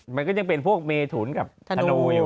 มันก็ยังเป็นพวกเมถุนกับธนูอยู่